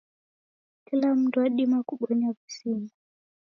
Kila mundu wadima kubonya w'uzima.